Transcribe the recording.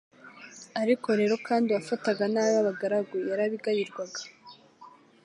Ariko rero kandi uwafataga nabi abagaragu yarabigayirwaga